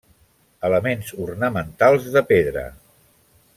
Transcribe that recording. Elements ornamentals de pedra.